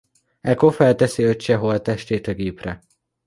Eko felteszi öccse holttestét a gépre.